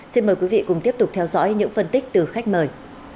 xin mời quý vị cùng tiếp tục theo dõi những phân tích từ khách mời